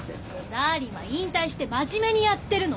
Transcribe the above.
ダーリンは引退して真面目にやってるの。